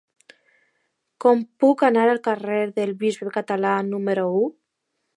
Com puc anar al carrer del Bisbe Català número u?